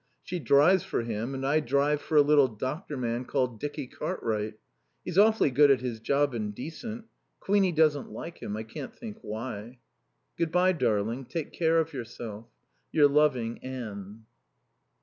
She drives for him and I drive for a little doctor man called Dicky Cartwright. He's awfully good at his job and decent. Queenie doesn't like him. I can't think why. Good bye, darling. Take care of yourself. Your loving Anne.